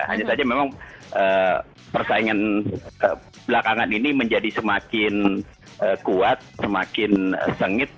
hanya saja memang persaingan belakangan ini menjadi semakin kuat semakin sengit